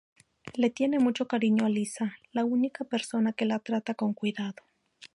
Le tiene mucho cariño a Lisa la única persona que la trata con cuidado.